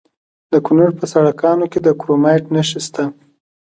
د کونړ په سرکاڼو کې د کرومایټ نښې شته.